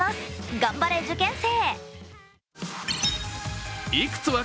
頑張れ受験生！